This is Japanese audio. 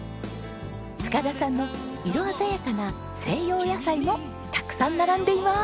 塚田さんの色鮮やかな西洋野菜もたくさん並んでいます！